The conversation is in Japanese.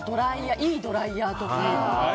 いいドライヤーとか。